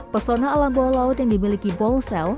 pesona alam bawah laut yang dimiliki ball cell